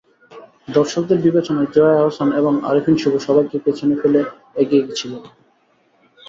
দর্শকদের বিবেচনায় জয়া আহসান এবং আরিফিন শুভ সবাইকে পেছনে ফেলে এগিয়ে ছিলেন।